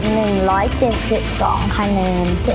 ขีดเอาไว้ว่าเธอไม่รอ